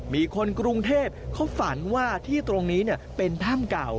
มีคนกรุงเทพเขาฝันว่าที่ตรงนี้เป็นถ้ำเก่า